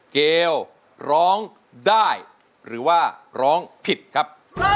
เกลร้องได้หรือว่าร้องผิดครับ